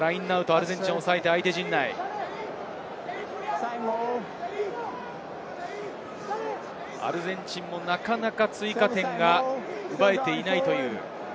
アルゼンチンが抑えて、相手陣内、アルゼンチンもなかなか追加点が奪えていない。